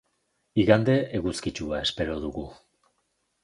Igande eguzkitsua espero dugu.